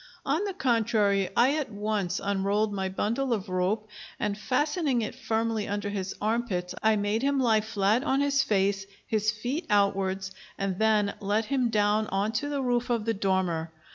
On the contrary, I at once unrolled my bundle of rope, and fastening it firmly under his arm pits I made him lie flat on his face, his feet outwards, and then let him down on to the roof of the dormer.